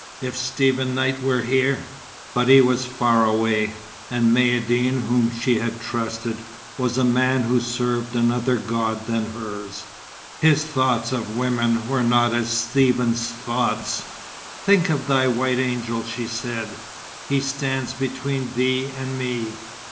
If Stephen Knight were here but he was far away; and Maïeddine, whom she had trusted, was a man who served another God than hers. His thoughts of women were not as Stephen's thoughts. "Think of thy white angel," she said. "He stands between thee and me."